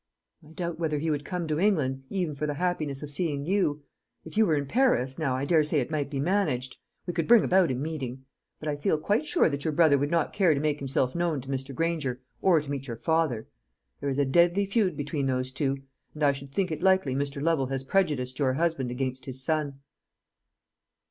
"I doubt whether he would come to England, even for the happiness of seeing you. If you were in Paris, now, I daresay it might be managed. We could bring about a meeting. But I feel quite sure that your brother would not care to make himself known to Mr. Granger, or to meet your father. There is a deadly feud between those two; and I should think it likely Mr. Lovel has prejudiced your husband against his son."